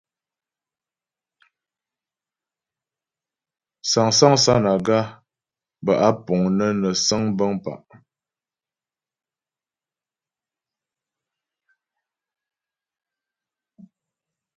Sáŋsaŋ sánaga bə́ á puŋ nə́ nə səŋ bəŋ pa'.